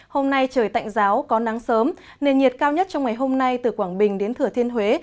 hôm nay trời tạnh giáo có nắng sớm nền nhiệt cao nhất trong ngày hôm nay từ quảng bình đến thừa thiên huế